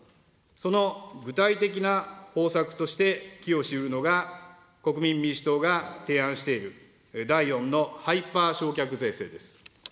その具体的な方策として寄与しうるのが国民民主党が提案している、第４のハイパー償却税制です。